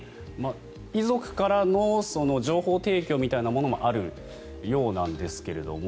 遺族からの情報提供みたいなものもあるようなんですが。